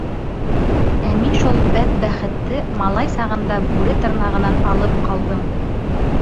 — Ә мин шул бәдбәхетте малай сағында бүре тырнағынан алып ҡалдым.